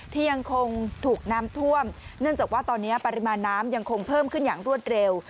ยังคงถูกน้ำท่วมเนื่องจากว่าตอนนี้ปริมาณน้ำยังคงเพิ่มขึ้นอย่างรวดเร็ว